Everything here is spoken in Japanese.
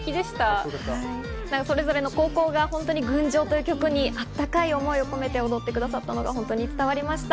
それぞれの高校が『群青』という曲にあったかい思いを込めて踊ってくださったのは本当に伝わりました。